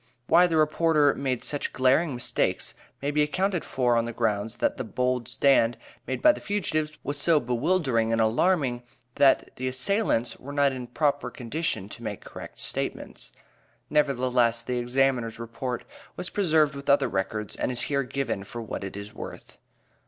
Why the reporter made such glaring mistakes, may be accounted for on the ground that the bold stand made by the fugitives was so bewildering and alarming, that the "assailants" were not in a proper condition to make correct statements. Nevertheless the Examiner's report was preserved with other records, and is here given for what it is worth.